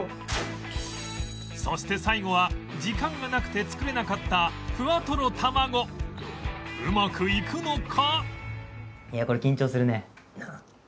そして最後は時間がなくて作れなかったふわトロたまごうまくいくのか？